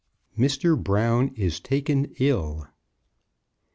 MR. BROWN IS TAKEN ILL.